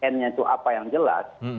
n itu apa yang jelas